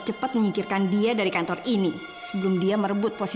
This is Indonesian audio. yang paling penting apaijdah kamu nyalahkan healthy